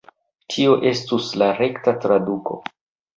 Tio estus la rekta traduko